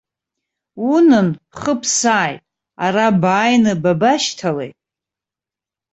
Унан, бхы бсааит, ара бааины бабашьҭалеи?